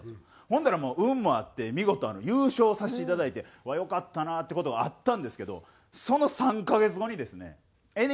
ほんだらもう運もあって見事優勝させていただいてうわっよかったなって事があったんですけどその３カ月後にですね